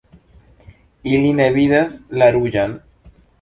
Ili ne vidas la ruĝan.